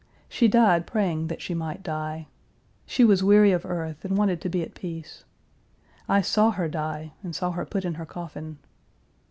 She died praying that she might die. She was weary of earth and wanted to be at peace. I saw her die and saw her put in her coffin.